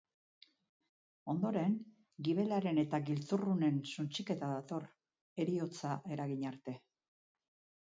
Ondoren, gibelaren eta giltzurrunen suntsiketa dator, heriotza eragin arte.